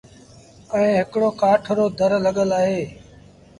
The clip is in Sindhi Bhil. ائيٚݩ هڪڙو ڪآٺ رو در لڳل اهي۔